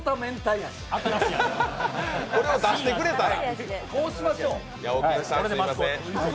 これを出してくれたら。